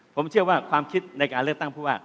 ผมเชื่อว่าความคิดในการเลือกตั้งผู้ว่า